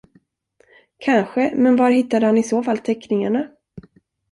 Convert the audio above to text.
Kanske, men var hittade han i så fall teckningarna?